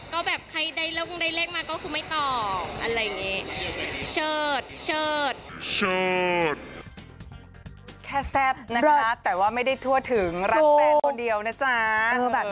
ก็แบบใครได้เรื่องได้เลขมาก็คือไม่ตอบอะไรอย่างเงี้ยเชิดเชิดเชิด